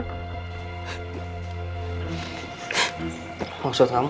aku kehilangan semua buat kamu